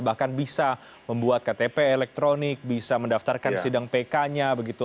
bahkan bisa membuat ktp elektronik bisa mendaftarkan sidang pk nya begitu